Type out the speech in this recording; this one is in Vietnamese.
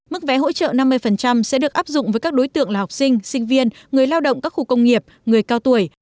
mức vé hỗ trợ năm mươi sẽ được áp dụng với các đối tượng là học sinh sinh viên người lao động các khu công nghiệp người cao tuổi